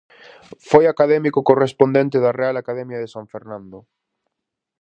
Foi académico correspondente da Real Academia de San Fernando.